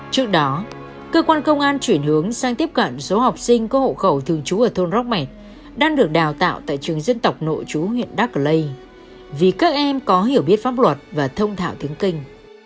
trước đó cơ quan công an chuyển hướng sang tiếp cận số học sinh có hộ khẩu thường trú ở thôn róc mẹt đang được đào tạo tại trường dân tộc nộ trú huyện đắk lây vì các em có hiểu biết pháp luật và thông thạo tiếng kinh